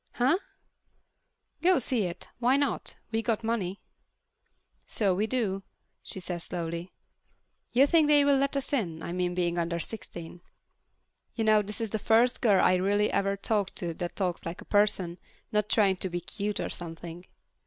"Huh?" "Go see it. Why not? We got money." "So we do," she says slowly. "You think they'll let us in, I mean being under sixteen?" You know, this is the first girl I really ever talked to that talks like a person, not trying to be cute or something.